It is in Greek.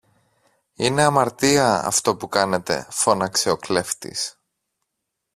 Είναι αμαρτία αυτό που κάνετε φώναξε ο κλέφτης.